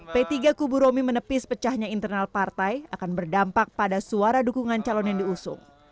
p tiga kubu romi menepis pecahnya internal partai akan berdampak pada suara dukungan calon yang diusung